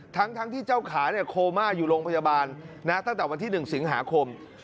ทั้งที่เจ้าขาโคม่าอยู่โรงพยาบาลตั้งแต่วันที่๑สิงหาคม